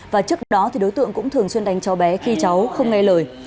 và trước đó thì đối tượng cũng thường xuyên đánh cháu bé khi cháu không nghe lời